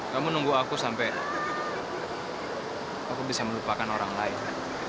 kamu nunggu aku sampai aku bisa melupakan orang lain